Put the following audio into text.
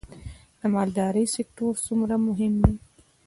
د مالدارۍ سکتور څومره مهم دی؟